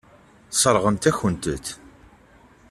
Sseṛɣent-akent-t.